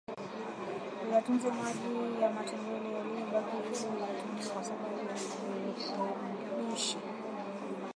uyatunze maji ya matembele yaliyobaki ili uyatumie kwa sababu yana virutubishi